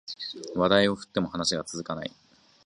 話題を振っても話が続かない